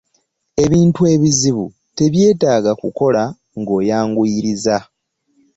Ebintu ebizibu tebyetaaga kukola ng'oyanguyiriza .